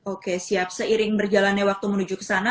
oke siap seiring berjalannya waktu menuju ke sana